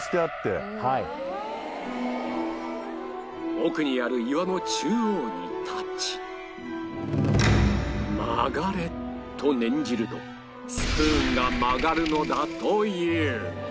奥にある岩の中央に立ち「曲がれ」と念じるとスプーンが曲がるのだという